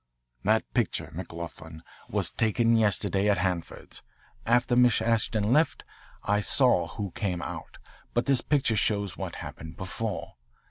"That picture, McLoughlin, was taken yesterday at Hanford's. After Miss Ashton left I saw who came out, but this picture shows what happened before.